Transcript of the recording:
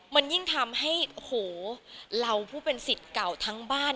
มันยิ่งทำให้โอ้โหเราผู้เป็นสิทธิ์เก่าทั้งบ้าน